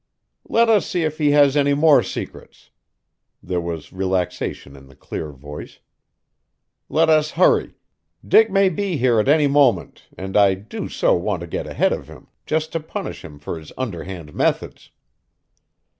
"Let us see if he has any more secrets!" There was relaxation in the clear voice. "Let us hurry; Dick may be here at any moment, and I do so want to get ahead of him just to punish him for his underhand methods!"